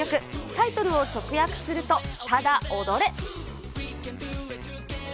タイトルを直訳すると、ただ踊れ！